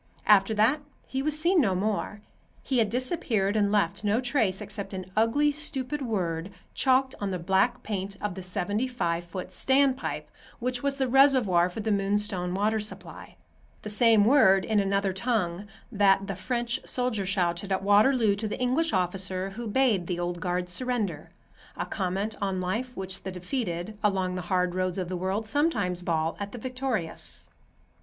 After that he was seen no more. He had disappeared and left no trace except an ugly, stupid word, chalked on the black paint of the seventy five foot standpipe which was the reservoir for the Moonstone water supply; the same word, in another tongue, that the French soldier shouted at Waterloo to the English officer who bade the Old Guard surrender; a comment on life which the defeated, along the hard roads of the world, sometimes bawl at the victorious.